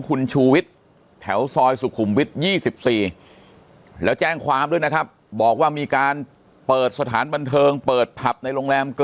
คุณชูวิทย์แถวซอยสุขุมวิทย์๒๔แล้วแจ้งความด้วยนะครับบอกว่ามีการเปิดสถานบันเทิงเปิดผับในโรงแรม๙